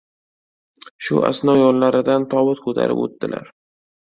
Shu asno yonlaridan tobut ko‘tarib o‘tdilar.